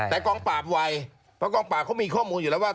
แต่กองปราบไวเพราะกองปราบเขามีข้อมูลอยู่แล้วว่า